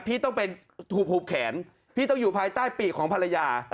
พี่ต้องเป็นหุบแขนพี่ต้องอยู่ภายใต้ปีกของภรรยา